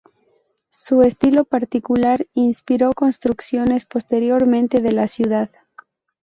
Su estilo particular inspiró construcciones posteriores de la ciudad.